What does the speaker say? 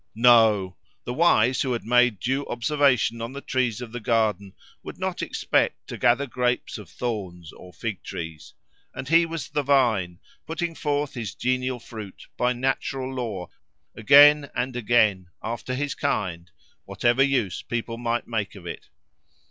No! The wise, who had made due observation on the trees of the garden, would not expect to gather grapes of thorns or fig trees: and he was the vine, putting forth his genial fruit, by natural law, again and again, after his kind, whatever use people might make of it.